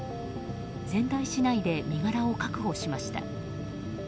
仙台市内で身柄を確保しました。